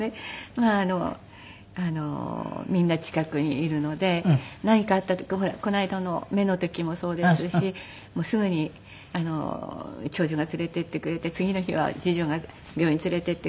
まあみんな近くにいるので何かあった時ほらこの間の目の時もそうですしすぐに長女が連れて行ってくれて次の日は次女が病院に連れて行ってくれてて。